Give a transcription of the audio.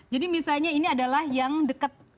jadi misalnya ini adalah yang dekat